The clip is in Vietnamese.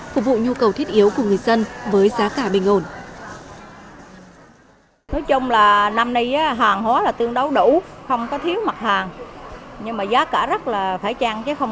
phục vụ nhu cầu thiết yếu của người dân với giá cả bình ổn